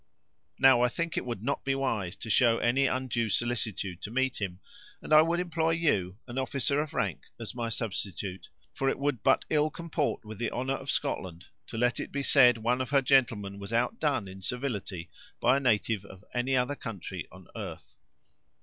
Now, I think it would not be wise to show any undue solicitude to meet him, and I would employ you, an officer of rank, as my substitute; for it would but ill comport with the honor of Scotland to let it be said one of her gentlemen was outdone in civility by a native of any other country on earth."